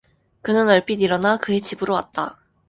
그는 얼핏 일어나 그의 집으로 왔다.